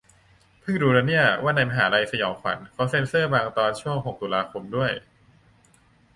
เพิ่งรู้นะเนี่ยว่าในมหา'ลัยสยองขวัญเค้าเซ็นเซอร์บางตอนช่วงหกตุลาด้วย